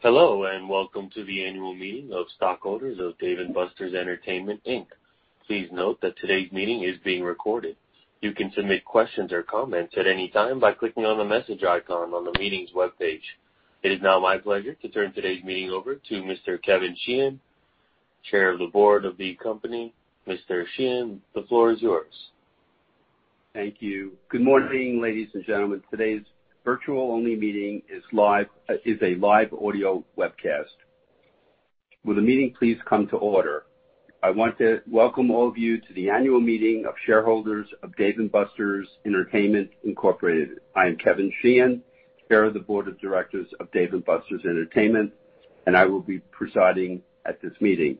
Hello, and welcome to the annual meeting of stockholders of Dave & Buster's Entertainment, Inc. Please note that today's meeting is being recorded. You can submit questions or comments at any time by clicking on the message icon on the meetings webpage. It is now my pleasure to turn today's meeting over to Mr. Kevin Sheehan, Chair of the Board of the Company. Mr. Sheehan, the floor is yours. Thank you. Good morning, ladies and gentlemen. Today's virtual-only meeting is live, is a live audio webcast. Will the meeting please come to order? I want to welcome all of you to the annual meeting of shareholders of Dave & Buster's Entertainment, Incorporated. I am Kevin Sheehan, Chair of the Board of Directors of Dave & Buster's Entertainment, and I will be presiding at this meeting.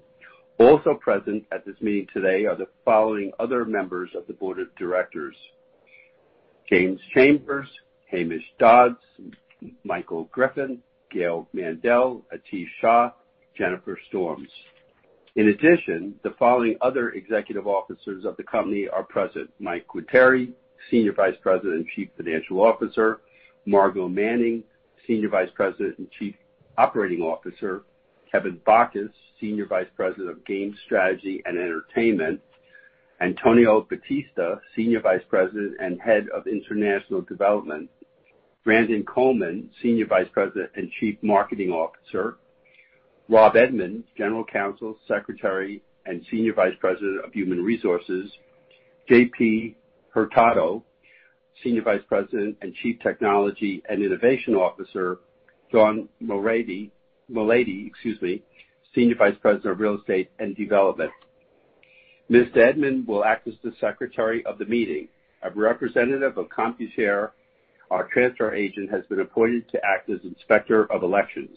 Also present at this meeting today are the following other members of the Board of Directors: James Chambers, Hamish Dodds, Michael Griffith, Gail Mandel, Atish Shah, Jennifer Storms. In addition, the following other executive officers of the company are present: Michael Quartieri, Senior Vice President and Chief Financial Officer, Margo Manning, Senior Vice President and Chief Operating Officer, Kevin Bachus, Senior Vice President of Game Strategy and Entertainment, Antonio Bautista, Senior Vice President and Head of International Development, Brandon Coleman, Senior Vice President and Chief Marketing Officer, Rob Edmund, General Counsel, Secretary, and Senior Vice President of Human Resources, JP Hurtado, Senior Vice President and Chief Technology and Innovation Officer, John Moudy, excuse me, Senior Vice President of Real Estate and Development. Mr. Edmund will act as the secretary of the meeting. A representative of Computershare, our transfer agent, has been appointed to act as Inspector of Elections.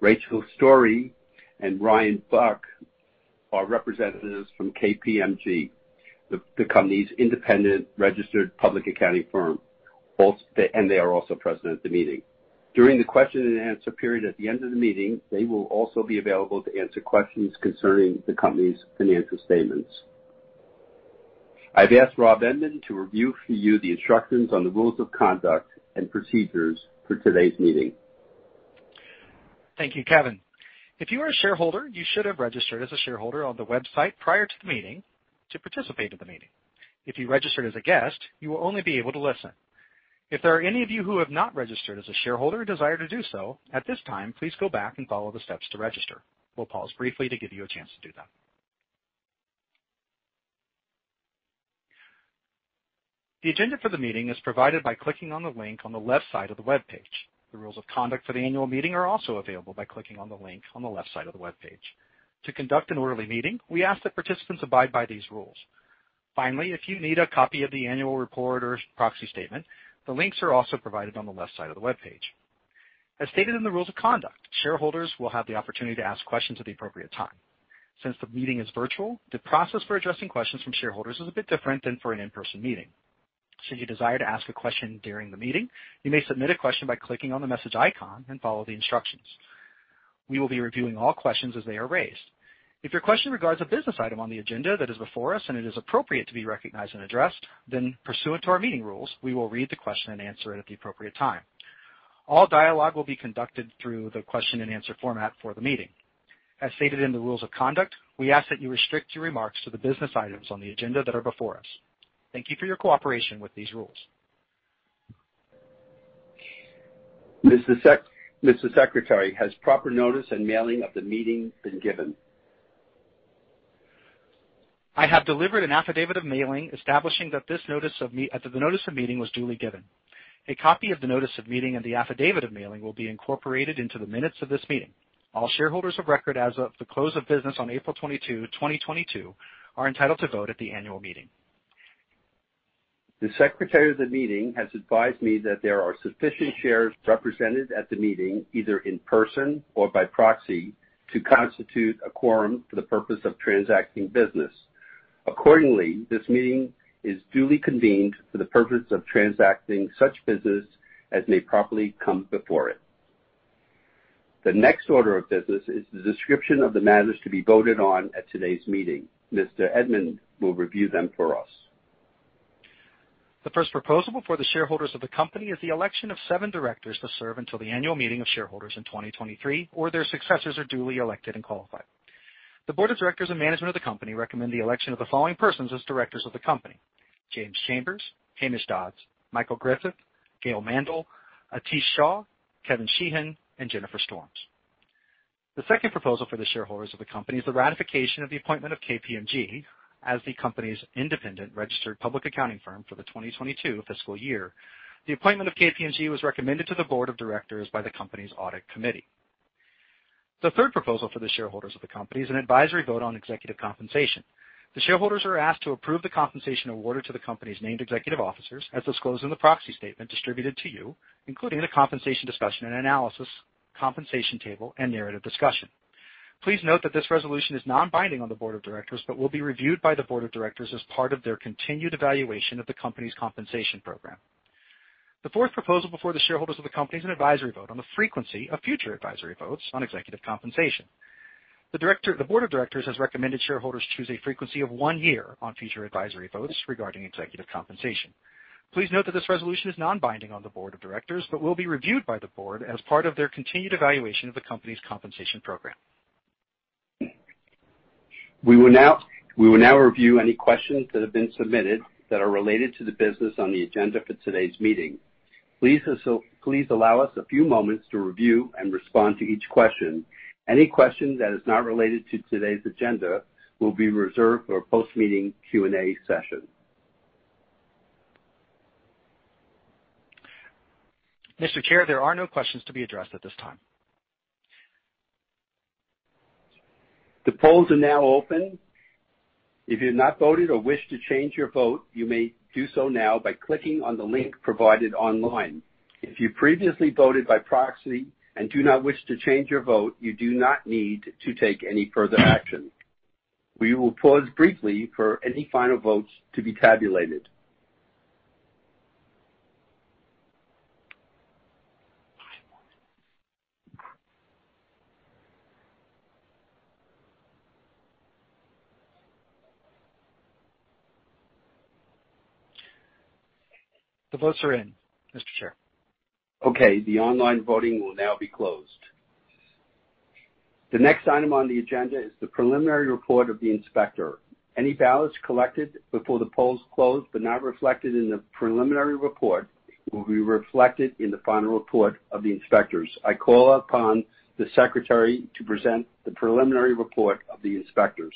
Rachel Story and Ryan Buck are representatives from KPMG, the company's independent registered public accounting firm, and they are also present at the meeting. During the question and answer period at the end of the meeting, they will also be available to answer questions concerning the company's financial statements. I've asked Rob Edmond to review for you the instructions on the rules of conduct and procedures for today's meeting. Thank you, Kevin. If you are a shareholder, you should have registered as a shareholder on the website prior to the meeting to participate in the meeting. If you registered as a guest, you will only be able to listen. If there are any of you who have not registered as a shareholder and desire to do so, at this time, please go back and follow the steps to register. We'll pause briefly to give you a chance to do that. The agenda for the meeting is provided by clicking on the link on the left side of the webpage. The rules of conduct for the annual meeting are also available by clicking on the link on the left side of the webpage. To conduct an orderly meeting, we ask that participants abide by these rules. Finally, if you need a copy of the annual report or proxy statement, the links are also provided on the left side of the webpage. As stated in the rules of conduct, shareholders will have the opportunity to ask questions at the appropriate time. Since the meeting is virtual, the process for addressing questions from shareholders is a bit different than for an in-person meeting. Should you desire to ask a question during the meeting, you may submit a question by clicking on the message icon and follow the instructions. We will be reviewing all questions as they are raised. If your question regards a business item on the agenda that is before us, and it is appropriate to be recognized and addressed, then pursuant to our meeting rules, we will read the question and answer it at the appropriate time. All dialogue will be conducted through the question and answer format for the meeting. As stated in the rules of conduct, we ask that you restrict your remarks to the business items on the agenda that are before us. Thank you for your cooperation with these rules. Mr. Secretary, has proper notice and mailing of the meeting been given? I have delivered an affidavit of mailing establishing that the notice of meeting was duly given. A copy of the notice of meeting and the affidavit of mailing will be incorporated into the minutes of this meeting. All shareholders of record as of the close of business on April twenty-two, twenty twenty-two, are entitled to vote at the annual meeting. The Secretary of the meeting has advised me that there are sufficient shares represented at the meeting, either in person or by proxy, to constitute a quorum for the purpose of transacting business. Accordingly, this meeting is duly convened for the purpose of transacting such business as may properly come before it. The next order of business is the description of the matters to be voted on at today's meeting. Mr. Edmund will review them for us. The first proposal before the shareholders of the company is the election of seven directors to serve until the annual meeting of shareholders in 2023 or their successors are duly elected and qualified. The Board of Directors and management of the company recommend the election of the following persons as directors of the company: James Chambers, Hamish Dodds, Michael Griffith, Gail Mandel, Atish Shah, Kevin Sheehan, and Jennifer Storms. The second proposal for the shareholders of the company is the ratification of the appointment of KPMG as the company's independent registered public accounting firm for the 2022 fiscal year. The appointment of KPMG was recommended to the Board of Directors by the company's Audit Committee. The third proposal for the shareholders of the company is an advisory vote on executive compensation. The shareholders are asked to approve the compensation awarded to the company's named executive officers, as disclosed in the proxy statement distributed to you, including the compensation discussion and analysis, compensation table, and narrative discussion. Please note that this resolution is non-binding on the Board of Directors, but will be reviewed by the Board of Directors as part of their continued evaluation of the company's compensation program. The fourth proposal before the shareholders of the company is an advisory vote on the frequency of future advisory votes on executive compensation. The Board of Directors has recommended shareholders choose a frequency of one year on future advisory votes regarding executive compensation. Please note that this resolution is non-binding on the Board of Directors, but will be reviewed by the Board as part of their continued evaluation of the company's compensation program. We will now review any questions that have been submitted that are related to the business on the agenda for today's meeting. Please allow us a few moments to review and respond to each question. Any question that is not related to today's agenda will be reserved for a post-meeting Q&A session. Mr. Chair, there are no questions to be addressed at this time. The polls are now open. If you have not voted or wish to change your vote, you may do so now by clicking on the link provided online. If you previously voted by proxy and do not wish to change your vote, you do not need to take any further action. We will pause briefly for any final votes to be tabulated. The votes are in, Mr. Chair. Okay. The online voting will now be closed. The next item on the agenda is the preliminary report of the inspector. Any ballots collected before the polls closed but not reflected in the preliminary report, will be reflected in the final report of the inspectors. I call upon the secretary to present the preliminary report of the inspectors.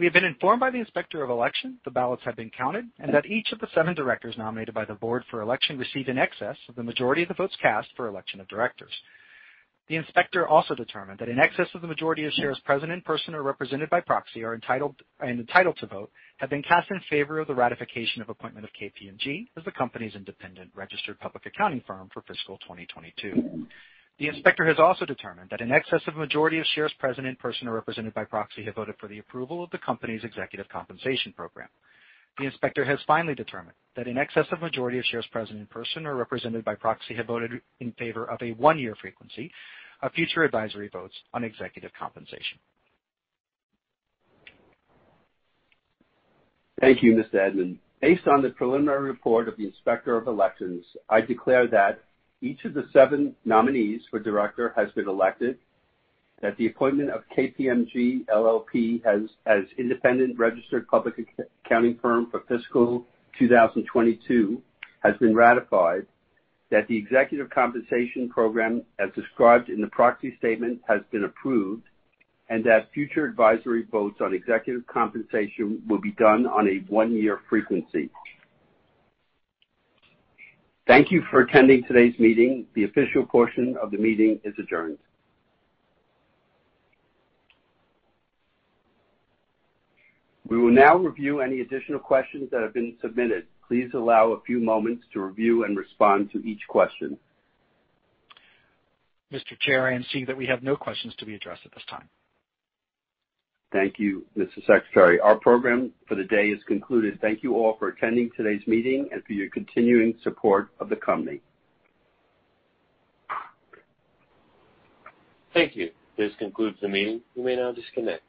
We have been informed by the Inspector of Elections that the ballots have been counted, and that each of the seven directors nominated by the board for election received in excess of the majority of the votes cast for election of directors. The inspector also determined that in excess of the majority of shares present, in person, or represented by proxy, entitled to vote, have been cast in favor of the ratification of appointment of KPMG as the company's independent registered public accounting firm for fiscal 2022. The inspector has also determined that in excess of a majority of shares present, in person, or represented by proxy, have voted for the approval of the company's executive compensation program. The inspector has finally determined that in excess of majority of shares present, in person, or represented by proxy, have voted in favor of a one-year frequency of future advisory votes on executive compensation. Thank you, Mr. Chairman. Based on the preliminary report of the Inspector of Elections, I declare that each of the seven nominees for director has been elected, that the appointment of KPMG LLP as independent registered public accounting firm for fiscal two thousand and twenty-two has been ratified, that the executive compensation program, as described in the proxy statement, has been approved, and that future advisory votes on executive compensation will be done on a one-year frequency. Thank you for attending today's meeting. The official portion of the meeting is adjourned. We will now review any additional questions that have been submitted. Please allow a few moments to review and respond to each question. Mr. Chair, I am seeing that we have no questions to be addressed at this time. Thank you, Mr. Secretary. Our program for the day is concluded. Thank you all for attending today's meeting and for your continuing support of the company. Thank you. This concludes the meeting. You may now disconnect.